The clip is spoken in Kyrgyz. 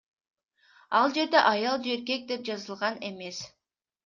Ал жерде аял же эркек деп жазылган эмес.